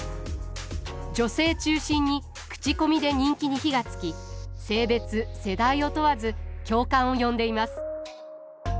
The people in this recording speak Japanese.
女性中心に口コミで人気に火がつき性別世代を問わず共感を呼んでいます。